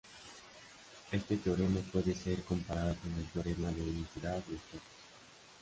Este teorema puede ser comparado con el teorema de unicidad de Stokes.